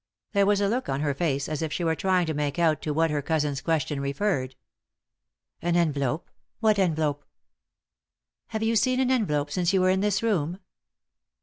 There was a look on her face as if she were trying to make out to what her cousin's question referred. " An envelope ? What envelope ?"" Have you seen an envelope since yon were in this room